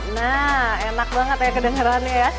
nah enak banget ya kedengerannya ya